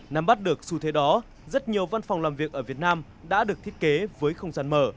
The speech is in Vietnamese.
nắm bắt được xu thế đó rất nhiều văn phòng làm việc ở việt nam đã được thiết kế với không gian mở